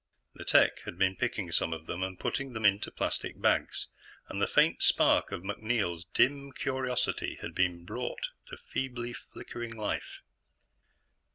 The tech had been picking some of them and putting them into plastic bags, and the faint spark of MacNeil's dim curiosity had been brought to feebly flickering life.